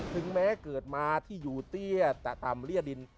ถึงแม้เกิดมาที่อยู่เตี้ยตะต่ำเรียดิน